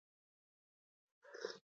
بوډۍ خپلې پښې ور ټولې کړې.